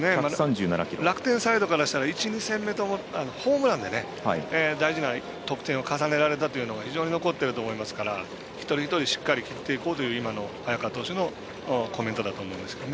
楽天サイドからしたら１、２戦ともホームランで大事な得点を重ねられたというのが非常に残っていると思いますから一人一人しっかり切っていこうというのが早川投手のコメントだと思います。